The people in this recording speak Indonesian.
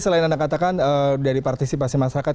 selain anda katakan dari partisipasi masyarakat